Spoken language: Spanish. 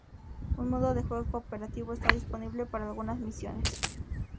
Un modo de juego cooperativo está disponible para algunas misiones.